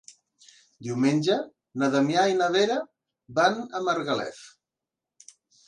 Diumenge na Damià i na Vera van a Margalef.